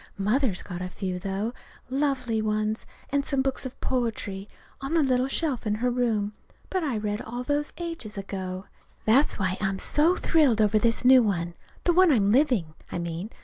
Mother's got a few, though lovely ones and some books of poetry, on the little shelf in her room. But I read all those ages ago. That's why I'm so thrilled over this new one the one I'm living, I mean.